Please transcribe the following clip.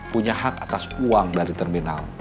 punya hak atas uang dari terminal